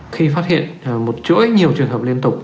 khi phát hiện một chuỗi nhiều trường hợp liên tục